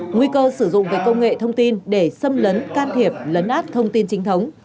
nguy cơ sử dụng về công nghệ thông tin để xâm lấn can thiệp lấn át thông tin chính thống